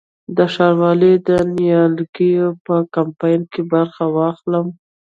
د ښاروالۍ د نیالګیو په کمپاین کې برخه واخلم؟